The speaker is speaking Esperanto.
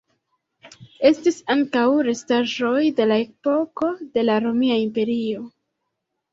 Estis ankaŭ restaĵoj de la epoko de la Romia Imperio.